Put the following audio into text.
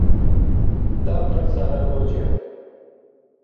تابٹ سارا پوہچیا